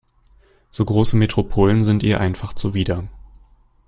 So große Metropolen sind ihr einfach zuwider.